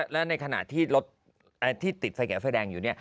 แล้วในขณะที่รถที่ติดไฟเขียวไฟแดงอยู่นี่